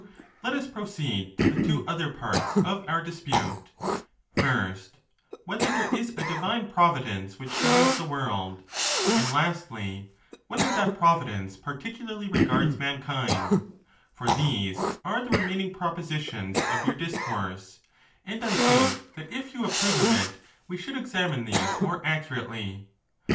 Let us proceed to the two other parts of our dispute : first, " whether there is a divine providence which governs the world ;" and lastly, " whether that providence particu larly regards mankind ;" for these are the remaining prop ositions of your discourse; and I think that, if you approve of it, we should examine these more accurately.